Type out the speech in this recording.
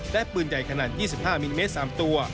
และปืนใหญ่ขนาด๒๕มิลลิเมตร๓ตัว